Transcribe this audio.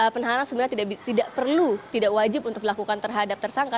penahanan sebenarnya tidak perlu tidak wajib untuk dilakukan terhadap tersangka